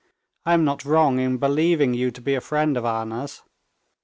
"I am not wrong in believing you to be a friend of Anna's."